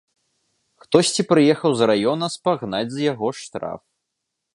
Хтосьці прыехаў з раёна спагнаць з яго штраф.